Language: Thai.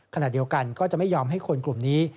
ขณะเดียวกันก็จะไม่ยอมให้คนกลุ่มนี้